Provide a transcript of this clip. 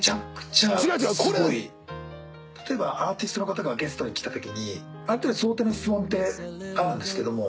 「例えばアーティストの方がゲストに来たときにある程度想定の質問ってあるんですけども」